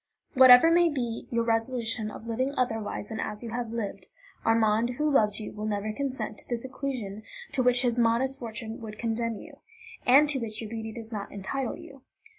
"Whatever may be your resolution of living otherwise than as you have lived, Armand, who loves you, will never consent to the seclusion to which his modest fortune would condemn you, and to which your beauty does not entitle you.